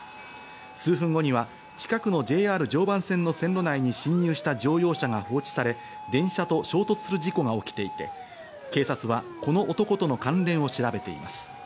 数分後には近くのＪＲ常磐線の線路内に侵入した乗用車が放置され、電車と衝突する事故が起きていて、警察は、この男との関連を調べています。